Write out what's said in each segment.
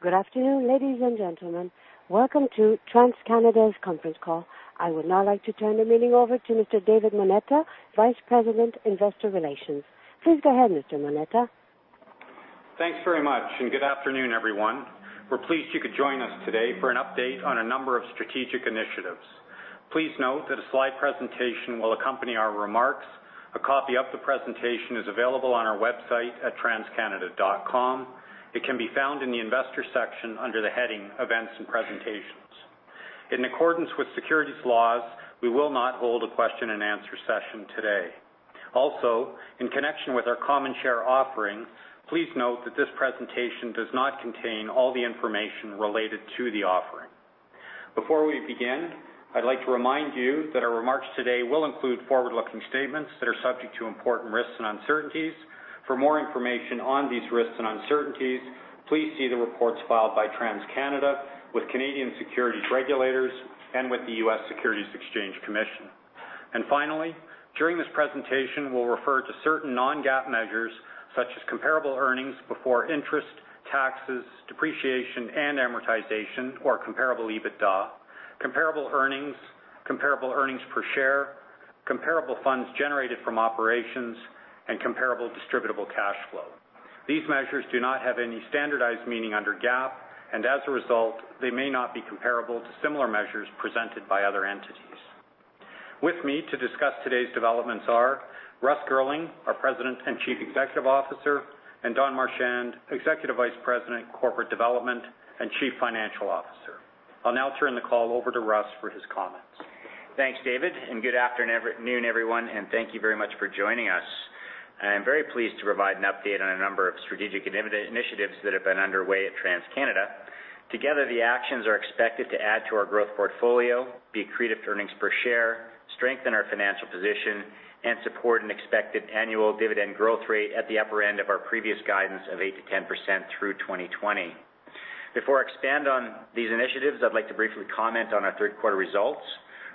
Good afternoon, ladies and gentlemen. Welcome to TransCanada's conference call. I would now like to turn the meeting over to Mr. David Moneta, Vice President, Investor Relations. Please go ahead, Mr. Moneta. Thanks very much. Good afternoon, everyone. We're pleased you could join us today for an update on a number of strategic initiatives. Please note that a slide presentation will accompany our remarks. A copy of the presentation is available on our website at transcanada.com. It can be found in the investor section under the heading Events and Presentations. In accordance with securities laws, we will not hold a question and answer session today. Also, in connection with our common share offering, please note that this presentation does not contain all the information related to the offering. Before we begin, I'd like to remind you that our remarks today will include forward-looking statements that are subject to important risks and uncertainties. For more information on these risks and uncertainties, please see the reports filed by TC Energy with Canadian securities regulators and with the U.S. Securities and Exchange Commission. Finally, during this presentation, we'll refer to certain non-GAAP measures such as comparable earnings before interest, taxes, depreciation, and amortization or comparable EBITDA, comparable earnings, comparable earnings per share, comparable funds generated from operations, and comparable distributable cash flow. These measures do not have any standardized meaning under GAAP, and as a result, they may not be comparable to similar measures presented by other entities. With me to discuss today's developments are Russ Girling, our President and Chief Executive Officer, and Don Marchand, Executive Vice-President, Strategy & Corporate Development and Chief Financial Officer. I'll now turn the call over to Russ for his comments. Thanks, David. Good afternoon, everyone. Thank you very much for joining us. I'm very pleased to provide an update on a number of strategic initiatives that have been underway at TC Energy. Together, the actions are expected to add to our growth portfolio, be accretive to earnings per share, strengthen our financial position, and support an expected annual dividend growth rate at the upper end of our previous guidance of 8%-10% through 2020. Before I expand on these initiatives, I'd like to briefly comment on our third quarter results.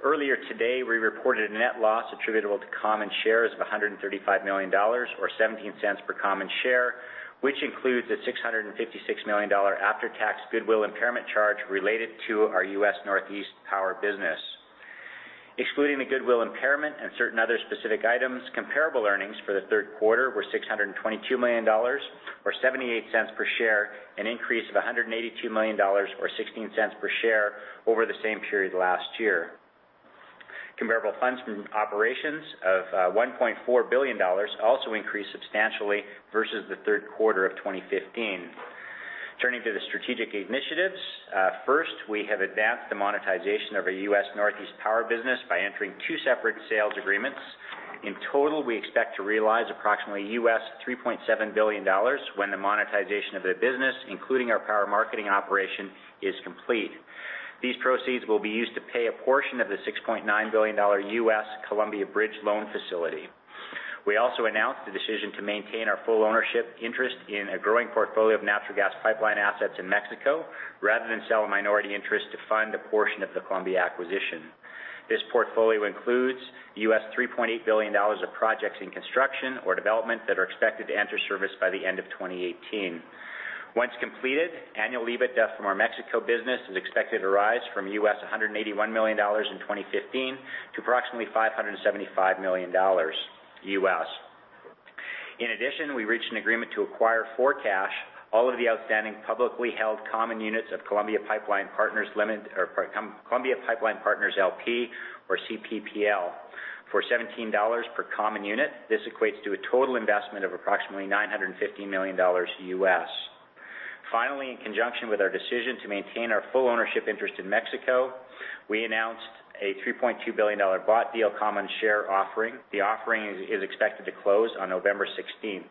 Earlier today, we reported a net loss attributable to common shares of 135 million dollars, or 0.17 per common share, which includes a 656 million dollar after-tax goodwill impairment charge related to our U.S. Northeast power business. Excluding the goodwill impairment and certain other specific items, comparable earnings for the third quarter were 622 million dollars, or 0.78 per share, an increase of 182 million dollars or 0.16 per share over the same period last year. Comparable funds from operations of 1.4 billion dollars also increased substantially versus the third quarter of 2015. Turning to the strategic initiatives. First, we have advanced the monetization of our U.S. Northeast power business by entering two separate sales agreements. In total, we expect to realize approximately $3.7 billion when the monetization of the business, including our power marketing operation, is complete. These proceeds will be used to pay a portion of the $6.9 billion U.S. Columbia Bridge loan facility. We also announced the decision to maintain our full ownership interest in a growing portfolio of natural gas pipeline assets in Mexico rather than sell a minority interest to fund a portion of the Columbia acquisition. This portfolio includes $3.8 billion of projects in construction or development that are expected to enter service by the end of 2018. Once completed, annual EBITDA from our Mexico business is expected to rise from $181 million in 2015 to approximately $575 million. In addition, we reached an agreement to acquire for cash all of the outstanding publicly held common units of Columbia Pipeline Partners LP, or CPPL, for $17 per common unit. This equates to a total investment of approximately $950 million. Finally, in conjunction with our decision to maintain our full ownership interest in Mexico, we announced a 3.2 billion dollar bought deal common share offering. The offering is expected to close on November 16th.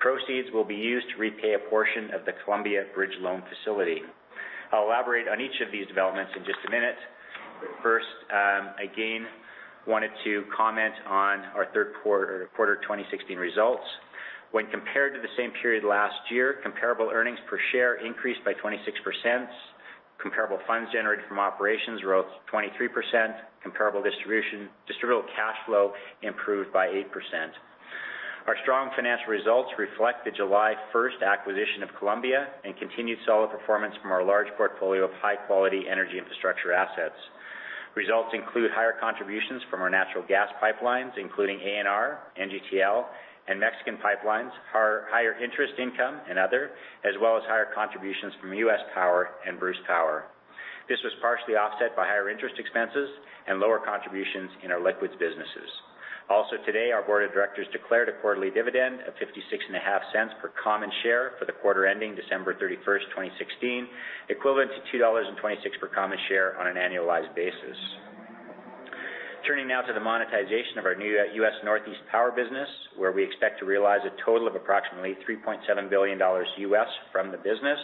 Proceeds will be used to repay a portion of the Columbia Bridge Loan facility. I'll elaborate on each of these developments in just a minute. Again, I wanted to comment on our quarter 2016 results. When compared to the same period last year, comparable earnings per share increased by 26%. Comparable funds generated from operations rose 23%. Comparable distributable cash flow improved by 8%. Our strong financial results reflect the July 1st acquisition of Columbia and continued solid performance from our large portfolio of high-quality energy infrastructure assets. Results include higher contributions from our natural gas pipelines, including ANR, NGTL, and Mexican pipelines, higher interest income and other, as well as higher contributions from U.S. Power and Bruce Power. This was partially offset by higher interest expenses and lower contributions in our liquids businesses. Also today, our board of directors declared a quarterly dividend of 0.565 per common share for the quarter ending December 31st, 2016, equivalent to 2.26 dollars per common share on an annualized basis. Turning now to the monetization of our new U.S. Northeast power business, where we expect to realize a total of approximately $3.7 billion from the business.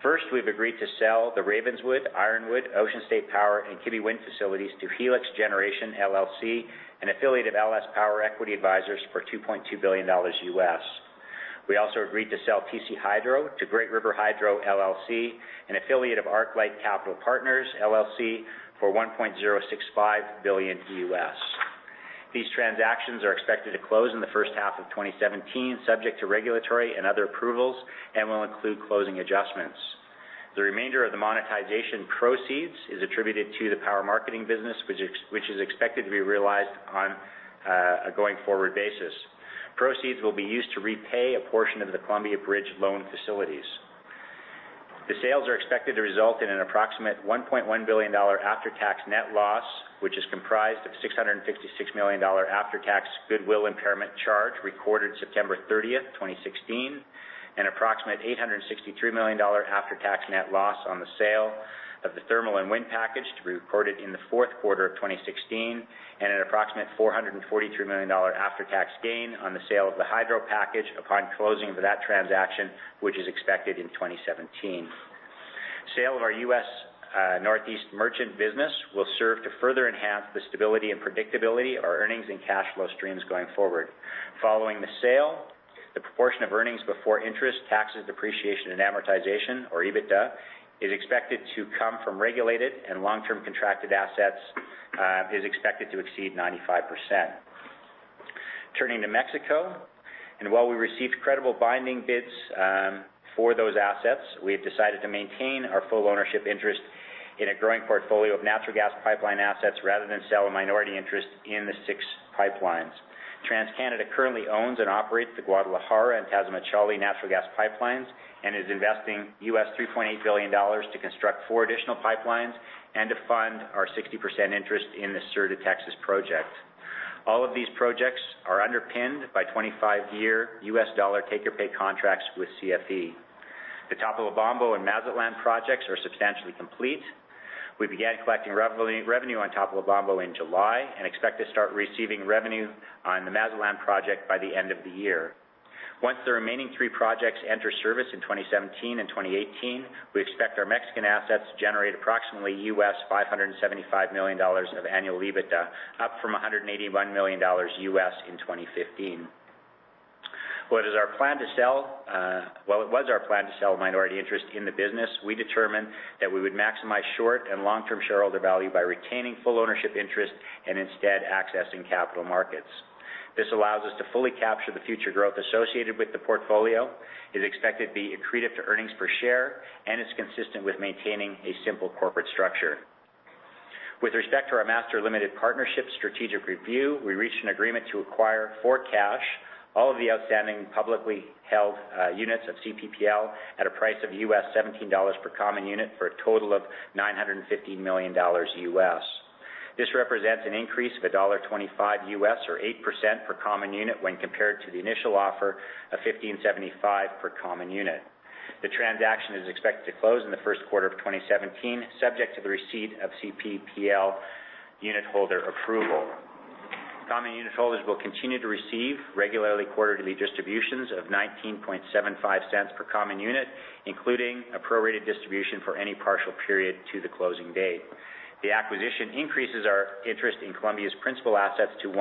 First, we've agreed to sell the Ravenswood, Ironwood, Ocean State Power, and Kibby Wind facilities to Helix Generation LLC, an affiliate of LS Power Equity Advisors, for $2.2 billion. We also agreed to sell TC Hydro to Great River Hydro LLC, an affiliate of ArcLight Capital Partners, LLC, for $1.065 billion. These transactions are expected to close in the first half of 2017, subject to regulatory and other approvals, and will include closing adjustments. The remainder of the monetization proceeds is attributed to the power marketing business, which is expected to be realized on a going-forward basis. Proceeds will be used to repay a portion of the Columbia Bridge loan facilities. The sales are expected to result in an approximate $1.1 billion after-tax net loss, which is comprised of a $656 million after-tax goodwill impairment charge recorded September 30th, 2016, an approximate $863 million after-tax net loss on the sale of the thermal and wind package to be recorded in the fourth quarter of 2016, and an approximate $443 million after-tax gain on the sale of the hydro package upon closing of that transaction, which is expected in 2017. Sale of our U.S. Northeast merchant business will serve to further enhance the stability and predictability of our earnings and cash flow streams going forward. Following the sale, the proportion of earnings before interest, taxes, depreciation, and amortization, or EBITDA, is expected to come from regulated and long-term contracted assets, is expected to exceed 95%. Turning to Mexico. While we received credible binding bids for those assets, we've decided to maintain our full ownership interest in a growing portfolio of natural gas pipeline assets rather than sell a minority interest in the six pipelines. TransCanada currently owns and operates the Guadalajara and Tamazunchale natural gas pipelines and is investing US$3.8 billion to construct four additional pipelines and to fund our 60% interest in the Sur de Texas project. All of these projects are underpinned by 25-year U.S. dollar take-or-pay contracts with CFE. The Topolobampo and Mazatlán projects are substantially complete. We began collecting revenue on Topolobampo in July and expect to start receiving revenue on the Mazatlán project by the end of the year. Once the remaining three projects enter service in 2017 and 2018, we expect our Mexican assets to generate approximately US$575 million of annual EBITDA, up from US$181 million in 2015. While it was our plan to sell a minority interest in the business, we determined that we would maximize short- and long-term shareholder value by retaining full ownership interest and instead accessing capital markets. This allows us to fully capture the future growth associated with the portfolio. It's expected to be accretive to earnings per share and is consistent with maintaining a simple corporate structure. With respect to our Master Limited Partnership strategic review, we reached an agreement to acquire, for cash, all of the outstanding publicly held units of CPPL at a price of US$17 per common unit for a total of US$950 million. This represents an increase of US$1.25 or 8% per common unit when compared to the initial offer of $15.75 per common unit. The transaction is expected to close in the first quarter of 2017, subject to the receipt of CPPL unitholder approval. Common unitholders will continue to receive regularly quarterly distributions of $0.1975 per common unit, including a prorated distribution for any partial period to the closing date. The acquisition increases our interest in Columbia's principal assets to 100%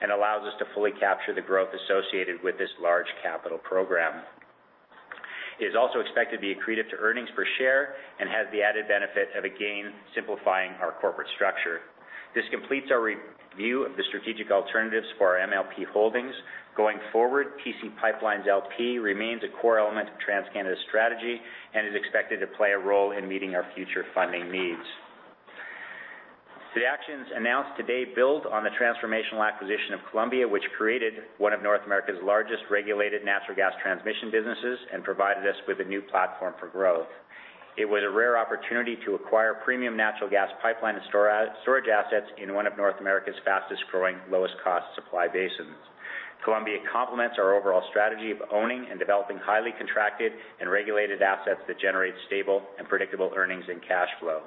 and allows us to fully capture the growth associated with this large capital program. It is also expected to be accretive to earnings per share and has the added benefit of, again, simplifying our corporate structure. This completes our review of the strategic alternatives for our MLP holdings. Going forward, TC PipeLines, LP remains a core element of TransCanada's strategy and is expected to play a role in meeting our future funding needs. The actions announced today build on the transformational acquisition of Columbia, which created one of North America's largest regulated natural gas transmission businesses and provided us with a new platform for growth. It was a rare opportunity to acquire premium natural gas pipeline and storage assets in one of North America's fastest-growing, lowest-cost supply basins. Columbia complements our overall strategy of owning and developing highly contracted and regulated assets that generate stable and predictable earnings and cash flow.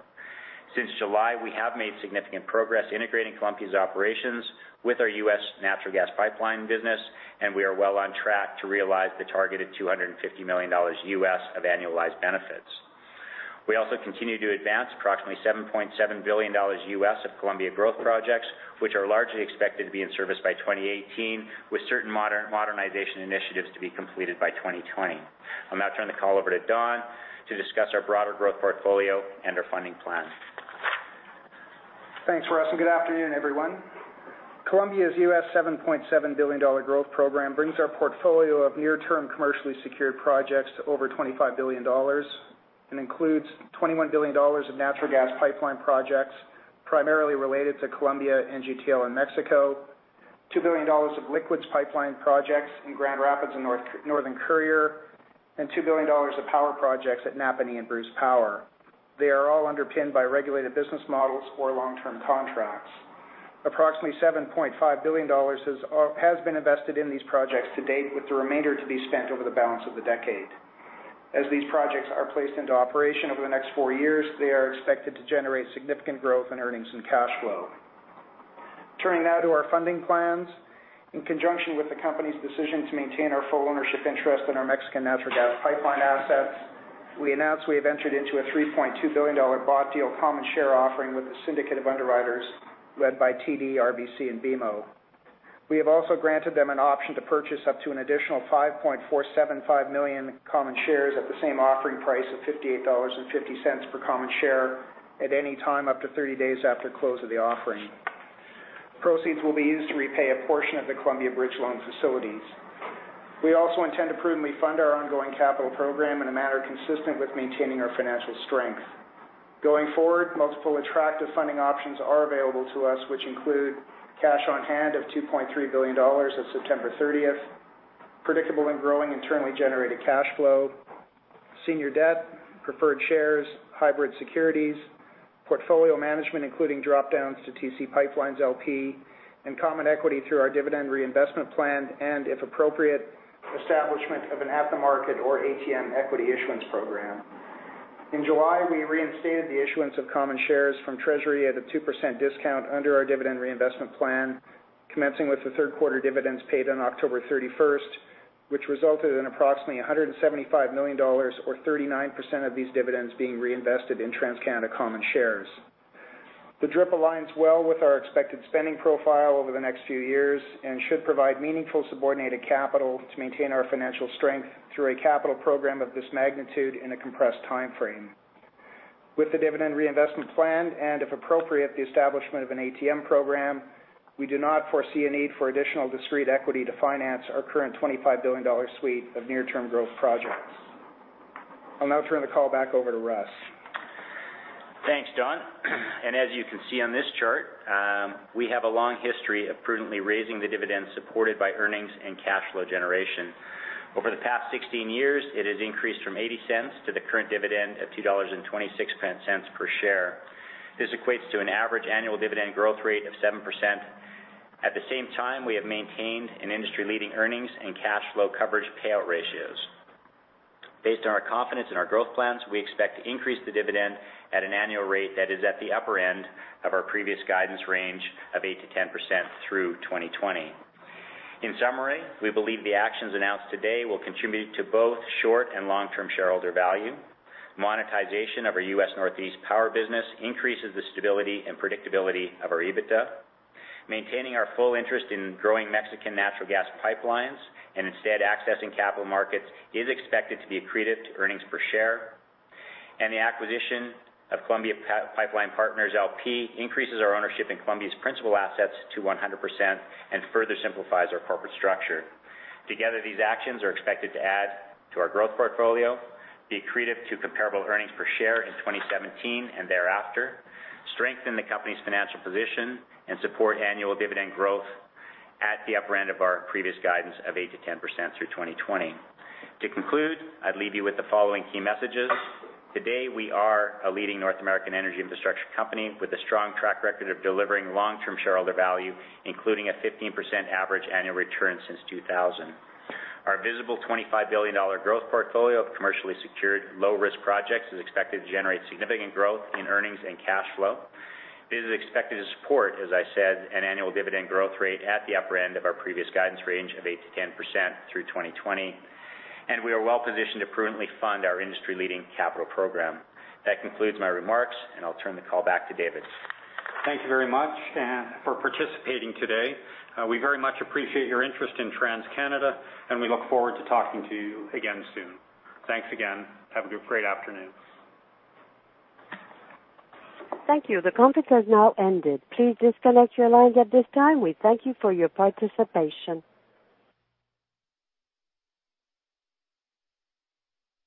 Since July, we have made significant progress integrating Columbia's operations with our U.S. natural gas pipeline business, and we are well on track to realize the targeted $250 million of annualized benefits. We also continue to advance approximately $7.7 billion of Columbia growth projects, which are largely expected to be in service by 2018, with certain modernization initiatives to be completed by 2020. I'll now turn the call over to Don to discuss our broader growth portfolio and our funding plan. Thanks, Russ. Good afternoon, everyone. Columbia's $7.7 billion growth program brings our portfolio of near-term commercially secured projects to over 25 billion dollars and includes 21 billion dollars of natural gas pipeline projects, primarily related to Columbia, NGTL, and Mexico, 2 billion dollars of liquids pipeline projects in Grand Rapids and Northern Courier, and 2 billion dollars of power projects at Napanee and Bruce Power. They are all underpinned by regulated business models or long-term contracts. Approximately 7.5 billion dollars has been invested in these projects to date, with the remainder to be spent over the balance of the decade. As these projects are placed into operation over the next four years, they are expected to generate significant growth in earnings and cash flow. Turning now to our funding plans. In conjunction with the company's decision to maintain our full ownership interest in our Mexican natural gas pipeline assets, we announced we have entered into a 3.2 billion dollar bought deal common share offering with a syndicate of underwriters led by TD, RBC, and BMO. We have also granted them an option to purchase up to an additional 5.475 million common shares at the same offering price of 58.50 dollars per common share at any time up to 30 days after close of the offering. Proceeds will be used to repay a portion of the Columbia Bridge Loan facilities. We also intend to prudently fund our ongoing capital program in a manner consistent with maintaining our financial strength. Going forward, multiple attractive funding options are available to us, which include cash on hand of 2.3 billion dollars as of September 30th, predictable and growing internally generated cash flow, senior debt, preferred shares, hybrid securities, portfolio management, including drop-downs to TC PipeLines, LP, and common equity through our dividend reinvestment plan and, if appropriate, establishment of an at-the-market or ATM equity issuance program. In July, we reinstated the issuance of common shares from treasury at a 2% discount under our dividend reinvestment plan, commencing with the third quarter dividends paid on October 31st, which resulted in approximately 175 million dollars or 39% of these dividends being reinvested in TransCanada common shares. The DRIP aligns well with our expected spending profile over the next few years and should provide meaningful subordinated capital to maintain our financial strength through a capital program of this magnitude in a compressed timeframe. With the dividend reinvestment plan and, if appropriate, the establishment of an ATM program, we do not foresee a need for additional discrete equity to finance our current 25 billion dollar suite of near-term growth projects. I'll now turn the call back over to Russ. Thanks, Don. As you can see on this chart, we have a long history of prudently raising the dividend supported by earnings and cash flow generation. Over the past 16 years, it has increased from 0.80 to the current dividend of 2.26 per share. This equates to an average annual dividend growth rate of 7%. At the same time, we have maintained an industry-leading earnings and cash flow coverage payout ratios. Based on our confidence in our growth plans, we expect to increase the dividend at an annual rate that is at the upper end of our previous guidance range of 8%-10% through 2020. In summary, we believe the actions announced today will contribute to both short- and long-term shareholder value. Monetization of our U.S. Northeast Power business increases the stability and predictability of our EBITDA. Maintaining our full interest in growing Mexican natural gas pipelines and instead accessing capital markets is expected to be accretive to earnings per share. The acquisition of Columbia Pipeline Partners, LP increases our ownership in Columbia's principal assets to 100% and further simplifies our corporate structure. Together, these actions are expected to add to our growth portfolio, be accretive to comparable earnings per share in 2017 and thereafter, strengthen the company's financial position, and support annual dividend growth at the upper end of our previous guidance of 8%-10% through 2020. To conclude, I'd leave you with the following key messages. Today, we are a leading North American energy infrastructure company with a strong track record of delivering long-term shareholder value, including a 15% average annual return since 2000. Our visible 25 billion dollar growth portfolio of commercially secured low-risk projects is expected to generate significant growth in earnings and cash flow. This is expected to support, as I said, an annual dividend growth rate at the upper end of our previous guidance range of 8%-10% through 2020. We are well-positioned to prudently fund our industry-leading capital program. That concludes my remarks. I'll turn the call back to David. Thank you very much for participating today. We very much appreciate your interest in TransCanada. We look forward to talking to you again soon. Thanks again. Have a great afternoon. Thank you. The conference has now ended. Please disconnect your lines at this time. We thank you for your participation.